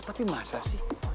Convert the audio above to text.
tapi masa sih